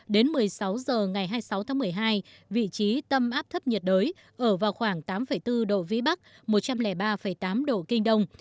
đến một mươi sáu h ngày hai mươi sáu tháng một mươi hai vị trí tâm áp thấp nhiệt đới ở vào khoảng tám bốn độ vĩ bắc một trăm linh ba tám độ kinh đông